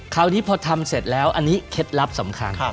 คราวนี้พอทำเสร็จแล้วอันนี้เคล็ดลับสำคัญ